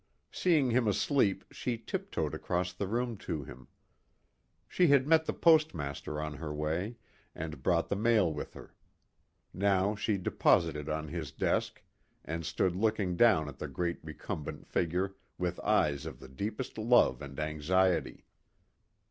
Seeing him asleep she tiptoed across the room to him. She had met the postmaster on her way, and brought the mail with her. Now she deposited it on his desk and stood looking down at the great recumbent figure with eyes of the deepest love and anxiety.